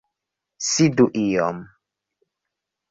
Sidu iom!